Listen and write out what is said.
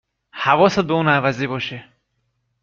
حواست به اون عوضی باشه